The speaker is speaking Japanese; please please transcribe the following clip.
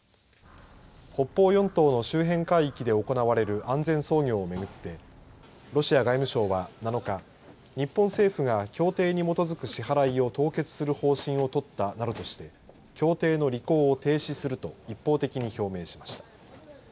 北方四島の周辺海域で行われる安全操業を巡ってロシア外務省は７日日本政府が協定に基づく支払いを凍結する方針を取ったなどとして協定の履行を停止すると一方的に表明しました。